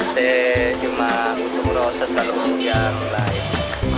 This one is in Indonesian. saya cuma untuk meroses kalau mau biar lain